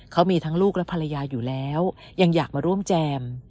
เขามีทั้งลูกและภรรยาอยู่แล้วยังอยากมาร่วมแจม